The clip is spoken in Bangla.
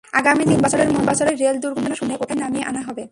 আগামী তিন বছরের মধ্যে রেল দুর্ঘটনা শূন্যের কোঠায় নামিয়ে আনা হবে।